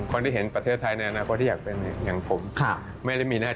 คนที่เห็นประเทศไทยในอนาคตที่อยากเป็นอย่างผม